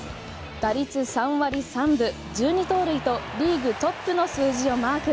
打率３割３分、１２盗塁とリーグトップの数字をマーク。